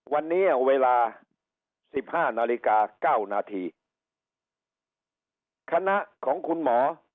วันนี้เวลาสิบห้านาฬิกาเก้านาทีคณะของคุณหมอ